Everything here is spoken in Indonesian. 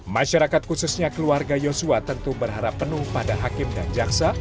masyarakat khususnya keluarga yosua tentu berharap penuh pada hakim dan jaksa